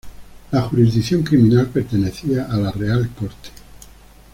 La jurisdicción criminal pertenecía a la real corte.